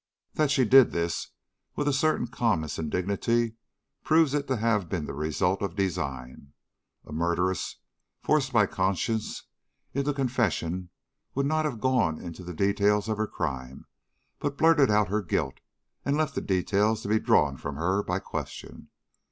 "That she did this with a certain calmness and dignity proves it to have been the result of design. A murderess forced by conscience into confession would not have gone into the details of her crime, but blurted out her guilt, and left the details to be drawn from her by question.